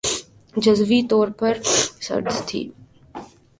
جزوی طور پر سرد تھِی